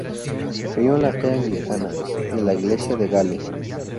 Se crió en la fe anglicana de la Iglesia de Gales.